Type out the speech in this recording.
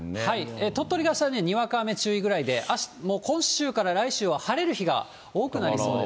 鳥取があしたね、にわか雨注意ぐらいで、今週から来週は晴れる日が多くなりそうです。